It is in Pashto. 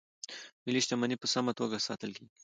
ملي شتمنۍ په سمه توګه ساتل کیږي.